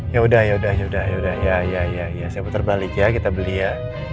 ya udah ya udah ya udah ya ya ya saya putar balik ya kita beli ya